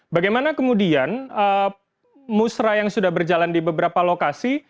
bagaimana kemudian musrah yang sudah berjalan di beberapa lokasi